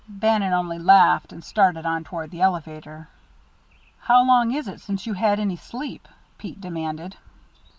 Bannon only laughed and started on toward the elevator. "How long is it since you had any sleep?" Pete demanded.